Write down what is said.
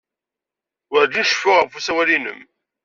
Werǧin ceffuɣ ɣef usawal-nnem.